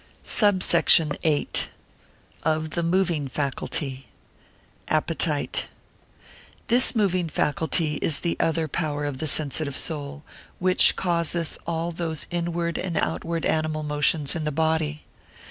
SUBSECT. VIII.—Of the Moving Faculty. Appetite] This moving faculty is the other power of the sensitive soul, which causeth all those inward and outward animal motions in the body.